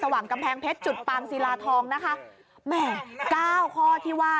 ว่างกำแพงเพชรจุดปางศิลาทองนะคะแหมเก้าข้อที่ว่า